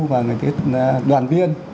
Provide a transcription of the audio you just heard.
và ngày tiết đoàn viên